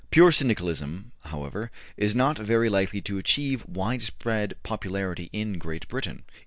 Pure Syndicalism, however, is not very likely to achieve wide popularity in Great Britain.